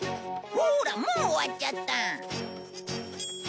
ほらもう終わっちゃった！